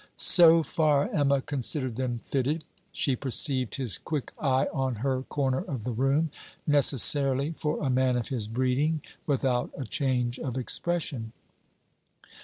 So far, Emma considered them fitted. She perceived his quick eye on her corner of the room; necessarily, for a man of his breeding, without a change of expression.